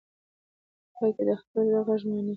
په پای کې د خپل زړه غږ مني.